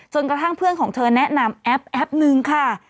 กระทั่งเพื่อนของเธอแนะนำแอปแอปนึงค่ะ